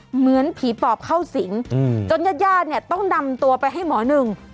เหมือนผีปอบเข้าสิงจนญาติญาติเนี่ยต้องนำตัวไปให้หมอหนึ่ง